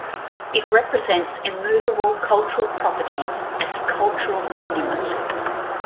It represents immovable cultural property as cultural monument.